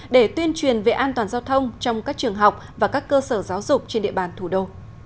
để tuyên truyền về an toàn giao thông trong các trường học và các cơ sở giáo dục trên địa bàn thủ đô